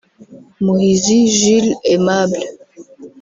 Muhizi Jules Aimable